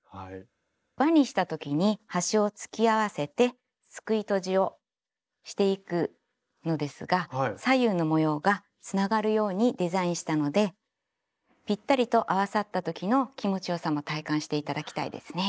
輪にした時に端を突き合わせてすくいとじをしていくのですが左右の模様がつながるようにデザインしたのでぴったりと合わさった時の気持ちよさも体感して頂きたいですね。